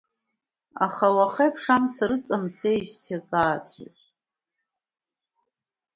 Аха уахеиԥш мца рыҵамцеижьҭеи акрааҵуеит.